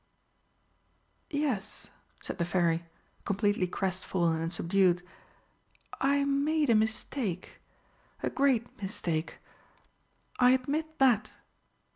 "Yes," said the Fairy, completely crestfallen and subdued, "I made a mistake a great mistake I admit that."